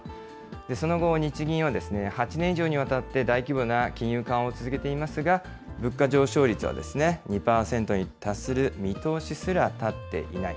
その後、日銀は８年以上にわたって大規模な金融緩和を続けていますが、物価上昇率は２％に達する見通しすら立っていない。